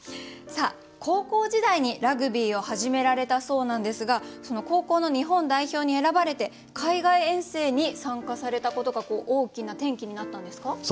さあ高校時代にラグビーを始められたそうなんですがその高校の日本代表に選ばれて海外遠征に参加されたことが大きな転機になったんですか？